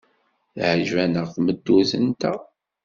Teɛjeb-aneɣ tmeddurt-nteɣ.